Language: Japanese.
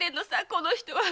この人は！